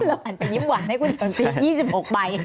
เราอาจจะยิ้มหวานให้คุณสนสี๒๖ใบ